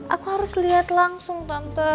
aku harus lihat langsung tante